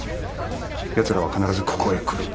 奴らは必ずここへ来る。